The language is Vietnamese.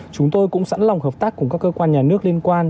chúng tôi cũng sẵn lòng hợp tác cùng các cơ quan nhà nước liên quan